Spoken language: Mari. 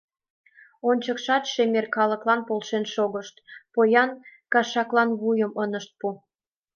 Ончыкшат шемер калыклан полшен шогышт, поян кашаклан вуйым ынышт пу!